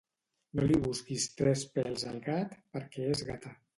No li busquis tres pels al gat perquè és gata